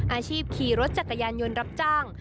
อาชีพขี่รถจักรยานยนต์รับจ้าง